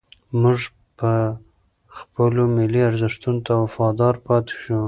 موږ به خپلو ملي ارزښتونو ته وفادار پاتې شو.